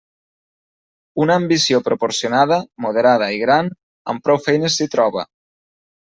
Una ambició proporcionada, moderada i gran, amb prou feines s'hi troba.